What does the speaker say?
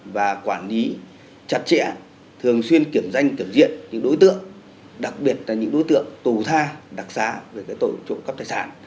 và quản lý chặt chẽ thường xuyên kiểm danh kiểm diện những đối tượng đặc biệt là những đối tượng tù tha đặc xá về tội trộm cắp tài sản